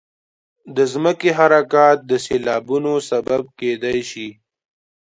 د ځمکې حرکات د سیلابونو سبب کېدای شي.